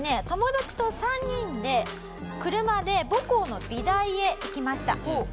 友達と３人で車で母校の美大へ行きました。